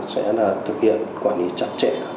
sẽ thực hiện quản lý chặt chẽ